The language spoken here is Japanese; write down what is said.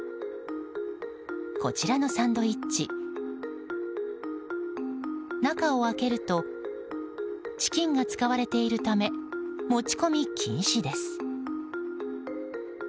こちらのサンドイッチ中を開けるとチキンが使われているため持ち込み禁止です。